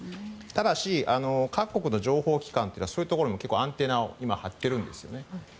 ただし各国の情報機関というのはそういうところにもアンテナを張っているんですね。